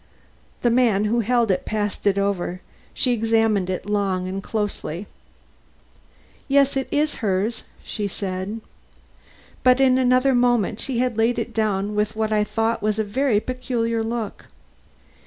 The man who held it passed it over. She examined it long and closely. "Yes, it is hers," said she. But in another moment she had laid it down with what I thought was a very peculiar look.